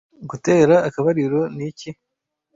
gutera akabariro ni iki